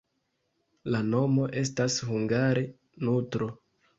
La nomo estas hungare: nutro.